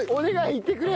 いてくれ！